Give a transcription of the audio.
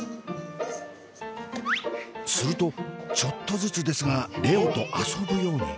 するとちょっとずつですが蓮音と遊ぶように。